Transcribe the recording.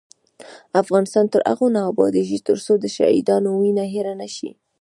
افغانستان تر هغو نه ابادیږي، ترڅو د شهیدانو وینه هیره نشي.